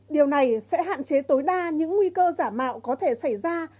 điều này sẽ hạn chế tối đa những nguy cơ giả mạo có thể xảy ra